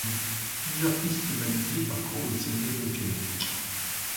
Plusieurs pistes balisées parcourent le sommet volcanique.